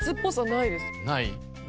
ない？